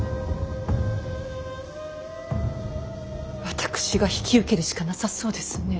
私が引き受けるしかなさそうですね。